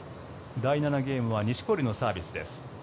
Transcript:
第７ゲームは錦織のサービスですね。